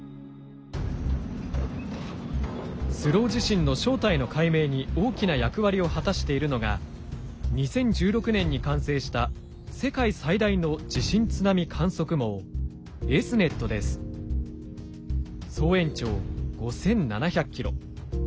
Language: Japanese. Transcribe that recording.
スロー地震の正体の解明に大きな役割を果たしているのが２０１６年に完成した世界最大の地震津波観測網総延長５，７００ｋｍ。